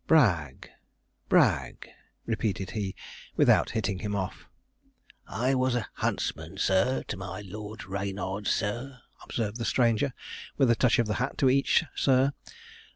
'Bragg, Bragg,' repeated he, without hitting him off. 'I was huntsman, sir, to my Lord Reynard, sir,' observed the stranger, with a touch of the hat to each 'sir.'